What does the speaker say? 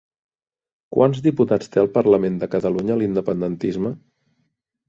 Quants diputats té al Parlament de Catalunya l'independentisme?